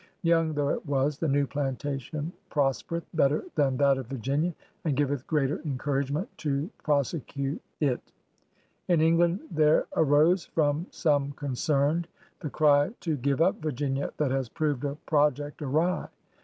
Young though it was, the new plantation ^'prospereth better than that of Virginia, and giveth greater incouragement to prosecute yt." In England there arose, from some concerned, the cry to Give up Virginia that has proved a project awry!